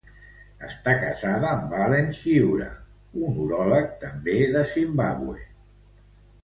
Està casada amb Allen Chiura, un uròleg, també de Zimbabwe.